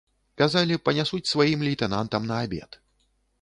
Казалі, панясуць сваім лейтэнантам на абед.